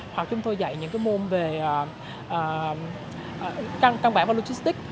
hoặc chúng tôi dạy những môn về căn bản và logistics